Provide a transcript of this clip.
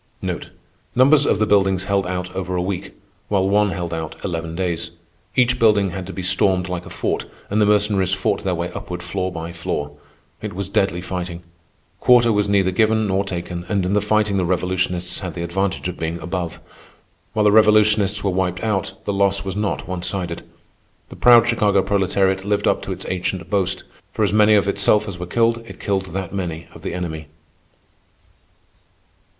Numbers of the buildings held out over a week, while one held out eleven days. Each building had to be stormed like a fort, and the Mercenaries fought their way upward floor by floor. It was deadly fighting. Quarter was neither given nor taken, and in the fighting the revolutionists had the advantage of being above. While the revolutionists were wiped out, the loss was not one sided. The proud Chicago proletariat lived up to its ancient boast. For as many of itself as were killed, it killed that many of the enemy.